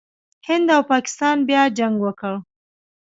هند او پاکستان بیا جنګ وکړ.